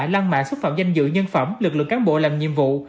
lan mạ xuất phạm danh dự nhân phẩm lực lượng cán bộ làm nhiệm vụ